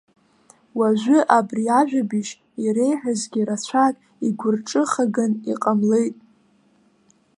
Уажәы ари ажәабжь иреиҳәазгьы рацәак игәырҿыхаган иҟамлеит.